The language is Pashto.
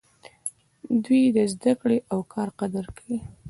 دوی د زده کړې او کار قدر کوي.